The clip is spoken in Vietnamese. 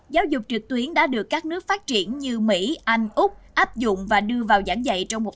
giáo dục trực tuyến đã được các nước phát triển như mỹ anh úc áp dụng và đưa vào giảng dạy trong một